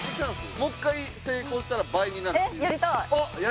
もう１回成功したら倍になるっていう。